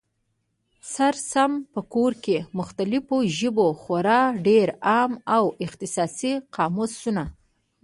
سره سم په کور کي، د مختلفو ژبو خورا ډېر عام او اختصاصي قاموسونه